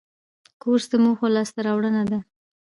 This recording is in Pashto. کورس د موخو لاسته راوړنه ده.